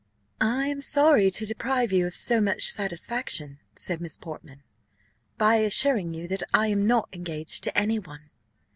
"I am sorry to deprive you of so much satisfaction," said Miss Portman, "by assuring you, that I am not engaged to any one."